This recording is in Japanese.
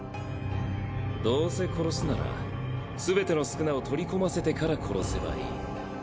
「どうせ殺すなら全ての宿儺を取り込ませてから殺せばいい」。